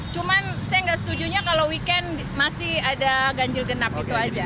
cuma saya nggak setujunya kalau weekend masih ada ganjil genap itu aja